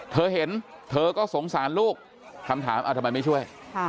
เธอเห็นเธอก็สงสารลูกคำถามทำไมไม่ช่วย